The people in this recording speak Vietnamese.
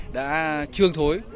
đã trương thối